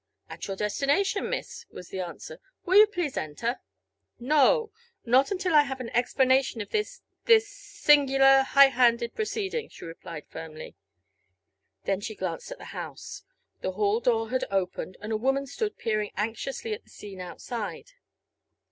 "At your destination, miss," was the answer. "Will you please enter?" "No! Not until I have an explanation of this this singular, high handed proceeding," she replied, firmly. Then she glanced at the house. The hall door had opened and a woman stood peering anxiously at the scene outside.